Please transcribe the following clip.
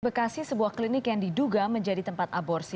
bekasi sebuah klinik yang diduga menjadi tempat aborsi